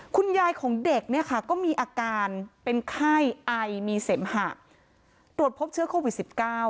คุณยายของเด็กเนี่ยค่ะก็มีอาการเป็นไข้ไอมีเสมหะตรวจพบเชื้อโควิด๑๙